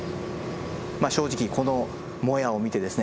まあ正直このモヤを見てですね